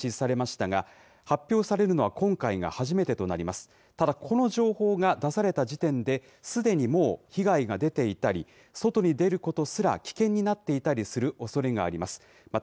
ただこの情報が出された時点で、すでにもう、被害が出ていたり、外に出ることすら危険になっていたりするおそれがあります。